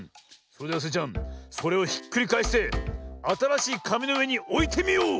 それではスイちゃんそれをひっくりかえしてあたらしいかみのうえにおいてみよう！